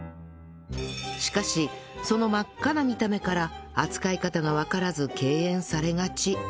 しかしその真っ赤な見た目から扱い方がわからず敬遠されがち